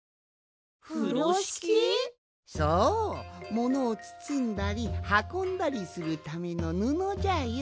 ものをつつんだりはこんだりするためのぬのじゃよ。